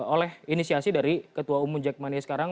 oleh inisiasi dari ketua umum jack money sekarang